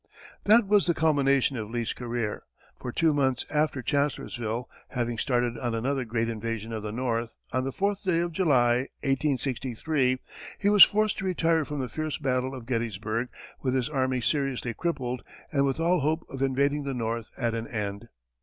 That was the culmination of Lee's career, for two months after Chancellorsville, having started on another great invasion of the North, on the fourth day of July, 1863, he was forced to retire from the fierce battle of Gettysburg with his army seriously crippled and with all hope of invading the North at an end.